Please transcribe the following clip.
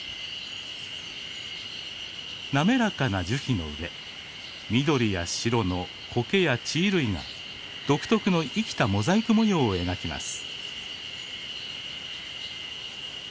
滑らかな樹皮の上緑や白のコケや地衣類が独特の生きたモザイク模様を描きます。